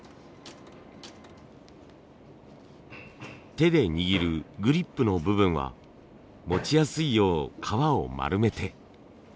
手で握るグリップの部分は持ちやすいよう革を丸めて。